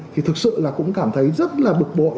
thì thực sự là cũng cảm thấy rất là bực bội